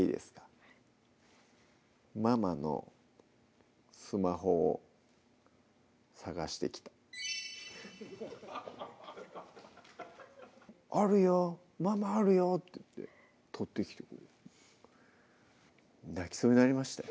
はいママのスマホを探してきた「あるよママあるよ」って言って取ってきてくれて泣きそうになりましたよ